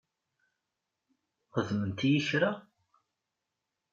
Xedment-iyi kra?